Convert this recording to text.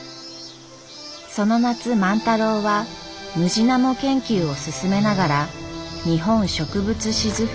その夏万太郎はムジナモ研究を進めながら「日本植物志図譜」